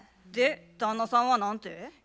で旦那さんは何て？